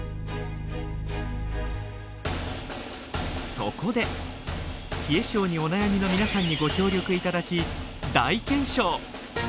そこで冷え症にお悩みの皆さんにご協力頂き大検証！